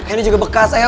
ini juga bekas ya